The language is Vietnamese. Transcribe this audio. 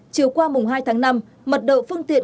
chiều qua mùng hai tháng năm mật độ phương tiện